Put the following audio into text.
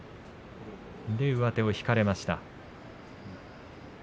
上手を引かれました。